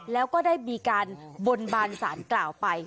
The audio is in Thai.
แล้วก็ได้มีการบนบานสารกล่าวไป